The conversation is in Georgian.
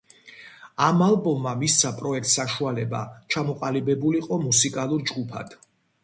ამ ალბომმა მისცა პროექტს საშუალება ჩამოყალიბებულიყო მუსიკალურ ჯგუფად.